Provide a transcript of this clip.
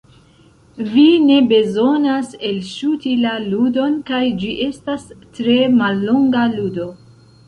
Vi ne bezonas elŝuti la ludon kaj ĝi estas tre mallonga ludo.